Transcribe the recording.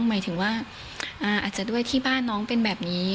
หมายถึงว่าอาจจะด้วยที่บ้านน้องเป็นแบบนี้